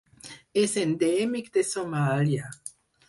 És endèmic de Somàlia.